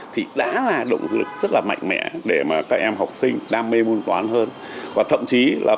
chúng ta cũng được rất là mạnh mẽ để mà các em học sinh đam mê muôn toán hơn và thậm chí là